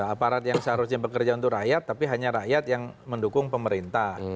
aparat yang seharusnya bekerja untuk rakyat tapi hanya rakyat yang mendukung pemerintah